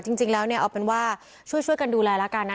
จริงแล้วเนี่ยเอาเป็นว่าช่วยกันดูแลแล้วกันนะ